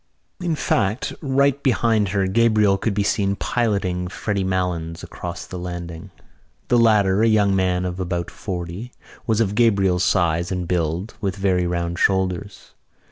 In fact right behind her Gabriel could be seen piloting Freddy Malins across the landing. The latter, a young man of about forty, was of Gabriel's size and build, with very round shoulders.